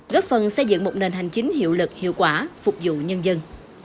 góp phần xây dựng một nền hành chính hiệu lực hiệu quả phục vụ nhân dân